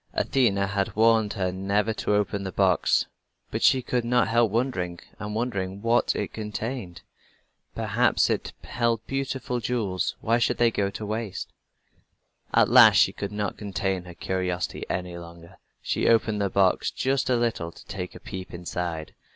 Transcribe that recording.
Athena had warned her never to open the box, but she could not help wondering and wondering what it contained. Perhaps it held beautiful jewels. Why should they go to waste? At last she could not contain her curiosity any longer. She opened the box just a little to take a peep inside.